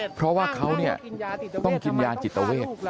เพราะว่าเขาต้องกินยาจิตเวท